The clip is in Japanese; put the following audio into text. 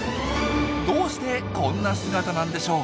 どうしてこんな姿なんでしょう？